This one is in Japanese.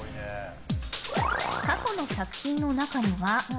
過去の作品の中には。